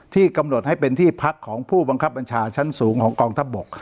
ที่กำหนดให้เป็นที่พักของผู้บังคับบัญชาชั้นสูงของกองทัพบก